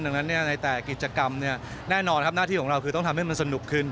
ดังนั้นในแต่กิจกรรมแน่นอนครับหน้าที่ของเราคือต้องทำให้มันสนุกขึ้น